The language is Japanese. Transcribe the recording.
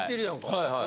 はいはい。